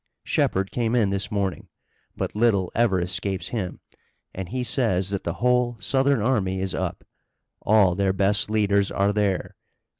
"Shepard came in this morning. But little ever escapes him, and he says that the whole Southern army is up. All their best leaders are there.